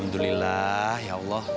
terima kasih ya allah